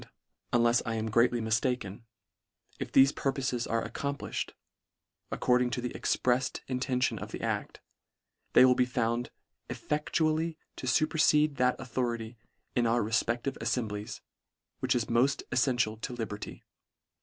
un lefs I am greatly miftaken, if thefe purpof es are accomplifhed, according to the ex preft intention of the act, they will be found effectually to fuperfede that authority in our refpective alfemblies, which is moft elfential to liberty.